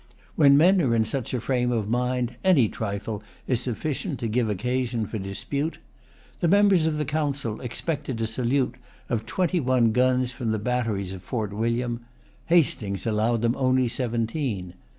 When men are in such a frame of mind, any trifle is sufficient to give occasion for dispute. The members of Council expected a salute of twenty one guns from the batteries of Fort William. Hastings allowed them only seventeen.